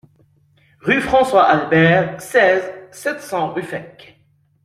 Rue François Albert, seize, sept cents Ruffec